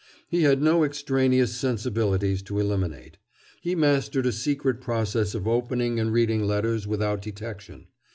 He had no extraneous sensibilities to eliminate. He mastered a secret process of opening and reading letters without detection.